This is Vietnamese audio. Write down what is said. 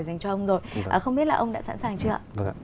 dành cho ông rồi không biết là ông đã sẵn sàng chưa ạ